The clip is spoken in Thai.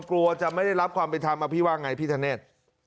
กลัวจะไม่ได้รับความไปทำอภิวะไงพี่ธเนต